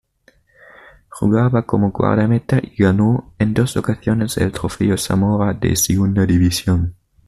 Jugaba como guardameta y ganó en dos ocasiones el Trofeo Zamora de Segunda División.